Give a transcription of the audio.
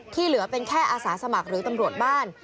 เหลือเป็นแค่อาสาสมัครหรือตำรวจบ้าน